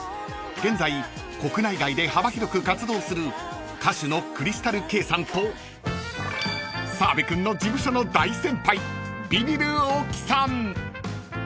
［現在国内外で幅広く活動する歌手のクリスタルケイさんと澤部君の事務所の大先輩ビビる大木さん］